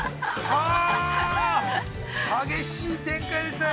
◆激しい展開でしたね。